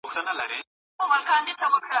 منچوريا يې تر خپل واک لاندې راوسته.